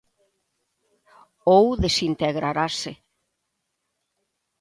Ou desintegrarase!